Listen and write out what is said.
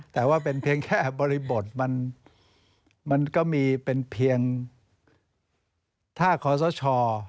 แต่ว่าเป็นเพียงแค่บริบทมันก็มีเป็นเพียงถ้าขอสช